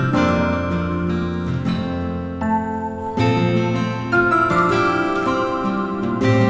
ya kita beres beres dulu